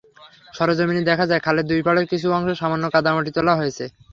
সরেজমিনে দেখা যায়, খালের দুই পাড়ের কিছু অংশে সামান্য কাদামাটি তোলা হয়েছে।